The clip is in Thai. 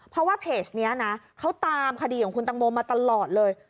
เพราะว่าเพจนี้นะเขาตามคดีของคุณตังโมมาตลอดเลย